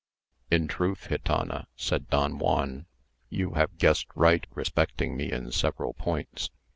"In truth, gitana," said Don Juan, "you have guessed right respecting me in several points.